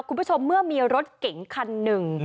คุณผู้ชมเมื่อมีรถเก๋งคันหนึ่ง